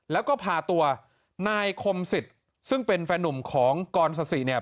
แล้วก็พาตัวนายคมสิทธิ์ซึ่งเป็นแฟนหนุ่มของกรสสิเนี่ย